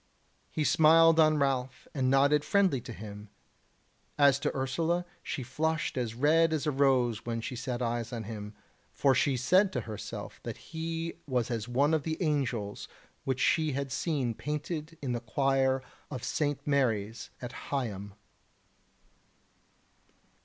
He smiled on Ralph and nodded friendly to him. As to Ursula, she flushed as red as a rose when she set eyes on him, for she said to herself that he was as one of the angels which she had seen painted in the choir of St. Mary's at Higham.